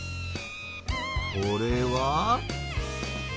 これは？